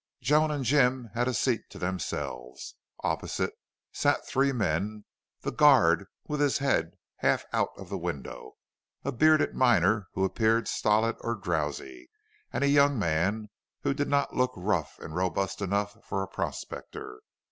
Joan and Jim had a seat to themselves. Opposite sat three men the guard with his head half out of the window, a bearded miner who appeared stolid or drowsy, and a young man who did not look rough and robust enough for a prospector.